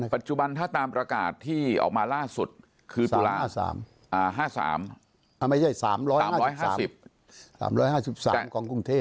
ปัจจุบันถ้าตามประกาศที่ออกมาล่าสุดคือตุลาคม๕๓บาท